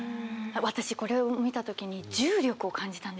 私これを見た時に重力を感じたんですよ。